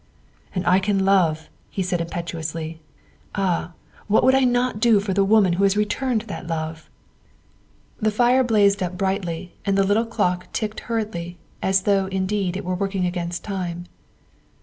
"And I can love," he said impetuously, " ah, what would I not do for the woman who returned that love ?'' 238 THE WIFE OF The fire blazed up brightly and the little clock ticked hurriedly, as though, indeed, it were working against time.